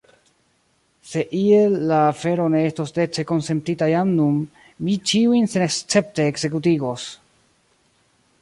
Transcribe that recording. Se iel_ la afero ne estos dece konsentita jam nun, mi ĉiujn senescepte ekzekutigos.